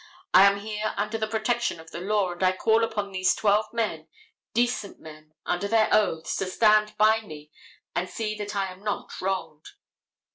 I am here under the protection of the law, and I call upon these twelve men, decent men, under their oaths, to stand by me and see that I am not wronged."